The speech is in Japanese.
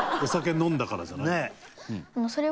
お酒飲んだからじゃないんだ。